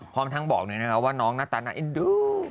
พร้อมทั้งบอกเนี่ยนะคะว่าน้องหน้าตาน่ารัก